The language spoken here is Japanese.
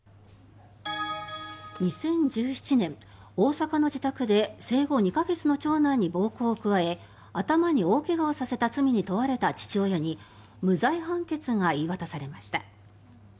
２０１７年、大阪の自宅で生後２か月の長男に暴行を加え頭に大怪我をさせた罪に問われた父親に無罪判決が言い渡されました。